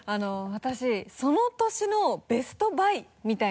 私その年のベストバイみたいな。